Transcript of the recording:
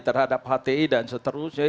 terhadap hti dan seterusnya